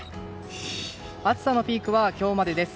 暑さのピークは今日までです。